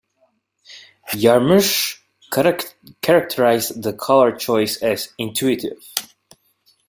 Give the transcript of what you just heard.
Jarmusch characterized the color choice as "intuitive".